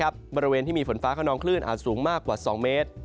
บริเวณที่มีฝนฟ้าขนองคลื่นอาจสูงมากกว่า๒เมตร